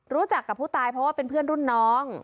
รู้จักกับผู้ตายเพราะว่าเป็นเพื่อนรุ่นน้อง